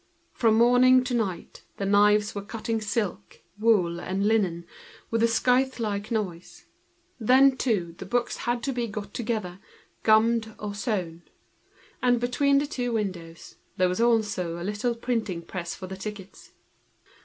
From morning to night, the knives were cutting up silk, wool, and linen, with a scythe like noise. Then the books had to be got together, gummed or sewn. And there was also between the two windows, a little printing press for the tickets.